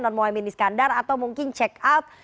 non muai minis kandar atau mungkin check out